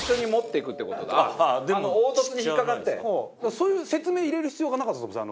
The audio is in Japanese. そういう説明入れる必要がなかったという事です。